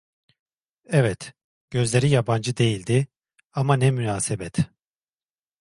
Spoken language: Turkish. Evet, gözleri yabancı değildi, ama ne münasebet!